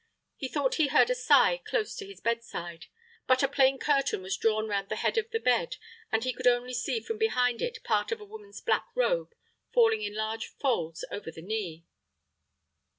He thought he heard a sigh close to his bedside; but a plain curtain was drawn round the head of the bed, and he could only see from behind it part of a woman's black robe falling in large folds over the knee.